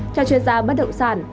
cho chuyên gia bất động sản